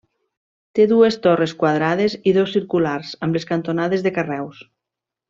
Té dues torres quadrades i dos circulars amb les cantonades de carreus.